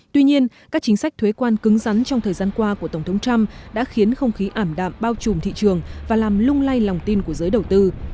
tuy nhiên các chính sách thuế quan cứng rắn trong thời gian qua của tổng thống trump đã khiến không khí ảm đạm bao trùm thị trường và làm lung lay lòng tin của giới đầu tư